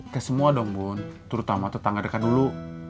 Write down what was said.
ke semua dong bun terutama tetangga dekat dulu